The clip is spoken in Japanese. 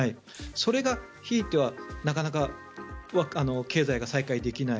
それがひいてはなかなか経済が再開できない